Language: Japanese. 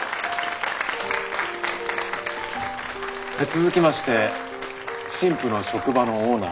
続きまして新婦の職場のオーナー